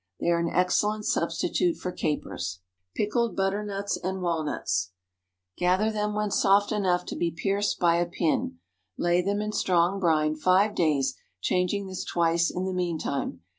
They are an excellent substitute for capers. PICKLED BUTTERNUTS AND WALNUTS. ✠ Gather them when soft enough to be pierced by a pin. Lay them in strong brine five days, changing this twice in the meantime.